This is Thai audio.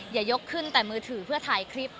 ยกขึ้นแต่มือถือเพื่อถ่ายคลิป